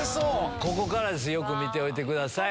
ここからです、よく見ておいてください。